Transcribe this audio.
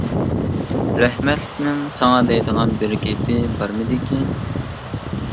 رەھمەتلىكنىڭ ساڭا دەيدىغان بىر گېپى بارمىدىكىن.